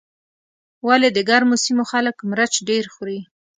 ولې د ګرمو سیمو خلک مرچ ډېر خوري.